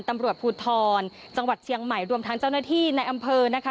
ตำรวจภูทรจังหวัดเชียงใหม่รวมทั้งเจ้าหน้าที่ในอำเภอนะคะ